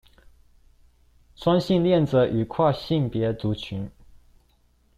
雙性戀者與跨性別族群